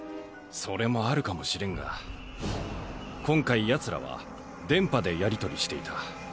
それもあるかもしれんが今回奴らは電波でやりとりしていた。